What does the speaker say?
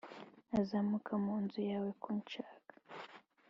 azamuka mu nzu yawe kunshaka,